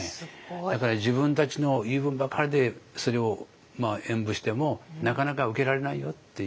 だから自分たちの言い分ばかりでそれを演舞してもなかなか受け入れられないよっていう。